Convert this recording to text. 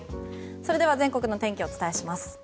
それでは全国の天気お伝えします。